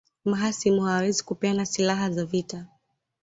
Mahasimu hawawezi kupeana silaha za vita